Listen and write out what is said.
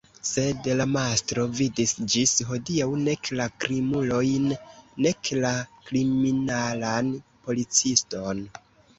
Sed la mastro vidis ĝis hodiaŭ nek la krimulojn nek la kriminalan policiston.